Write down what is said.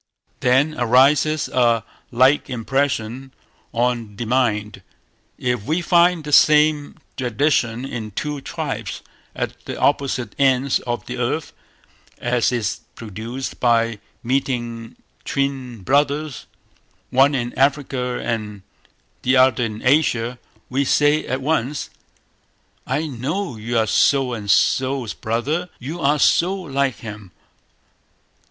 Then arises a like impression on the mind, if we find the same tradition in two tribes at the opposite ends of the earth, as is produced by meeting twin brothers, one in Africa and the other in Asia; we say at once "I know you are so and so's brother, you are so like him".